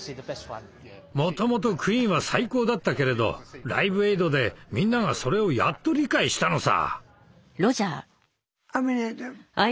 もともとクイーンは最高だったけれど「ライブエイド」でみんながそれをやっと理解したのさ。